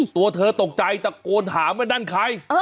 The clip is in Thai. ตัวเธอตกใจตะโกนถามว่านั่นใคร